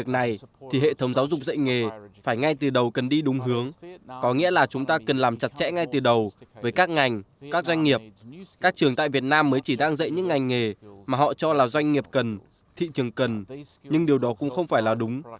chỉ đang dạy những ngành nghề mà họ cho là doanh nghiệp cần thị trường cần nhưng điều đó cũng không phải là đúng